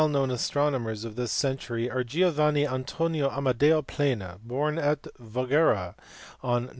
Other well known astronomers of this century are Giovanni Antonio Ainadeo Plana, born at Voghera on Nov.